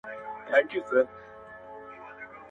ټولنه د درد ريښه جوړوي تل,